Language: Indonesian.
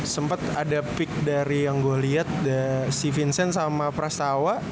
sempet ada pick dari yang gue liat si vincent sama prastawa